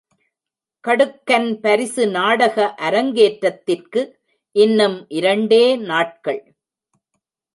கடுக்கன் பரிசு நாடக அரங்கேற்றத்திற்கு இன்னும் இரண்டே நாட்கள்.